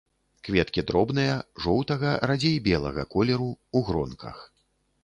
Кветкі дробныя, жоўтага, радзей белага колеру, у гронках.